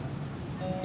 serius apa pur